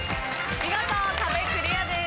見事壁クリアです。